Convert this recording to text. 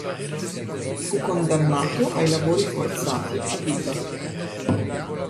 Fu condannato ai lavori forzati a vita.